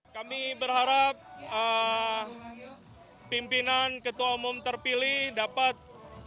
kami berharap pimpinan ketua umum terpilih dapat